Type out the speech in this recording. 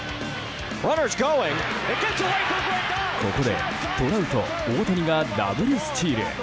ここでトラウト、大谷がダブルスチール。